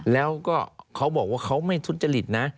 แล้วก็เขาบอกว่าเขาไม่ทุจริตนะ